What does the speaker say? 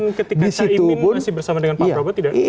ketika caimin masih bersama dengan pak prabowo